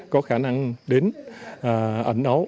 có khả năng đến ảnh ấu